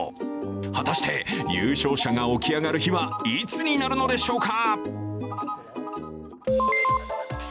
果たして優勝者が起き上がる日はいつになるのでしょうか？